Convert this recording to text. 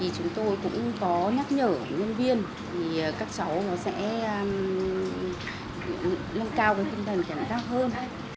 chúng tôi cũng có nhắc nhở nhân viên các cháu sẽ nâng cao tinh thần kiểm tra hơn